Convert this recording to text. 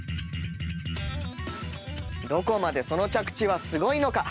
どこまでその着地はすごいのか。